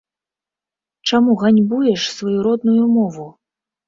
Чаму ганьбуеш сваю родную мову?